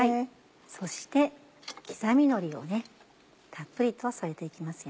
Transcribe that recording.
そして刻みのりをたっぷりと添えて行きますよ。